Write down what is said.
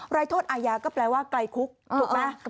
โทษอาญาก็แปลว่าไกลคุกถูกไหม